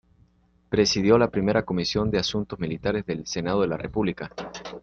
Presidió la Primera Comisión de Asuntos Militares del Senado de la República.